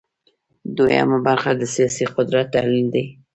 دویمه برخه د سیاسي قدرت تحلیل دی.